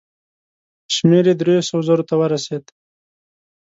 شمېر یې دریو سوو زرو ته ورسېد.